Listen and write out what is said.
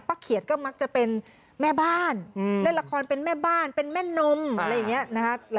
เขียดก็มักจะเป็นแม่บ้านเล่นละครเป็นแม่บ้านเป็นแม่นมอะไรอย่างนี้นะคะ